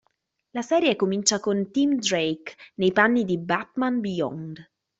La serie comincia con Tim Drake nei panni di Batman Beyond.